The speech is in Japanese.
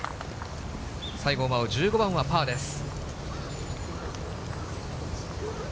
西郷真央、１５番はパーです。